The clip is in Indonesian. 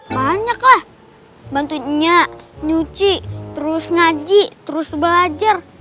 banyak lah bantuinnya nyuci terus ngaji terus belajar